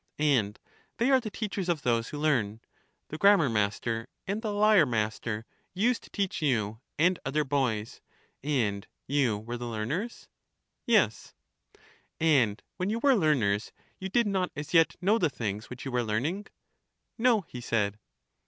And they are the teachers of those who learn — the grammar master and the lyre master used to teach you and other boys ; and you were the learners ? Yes. And when you were learners you did not as yet know the things which you were learning? No, he said.